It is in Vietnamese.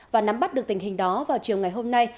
và nắm bắt được tình hình đó vào chiều ngày hôm nay